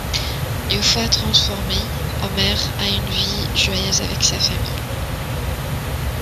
Une fois transformé, Homer a une vie joyeuse avec sa famille.